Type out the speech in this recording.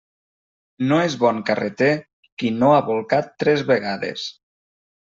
No és bon carreter qui no ha bolcat tres vegades.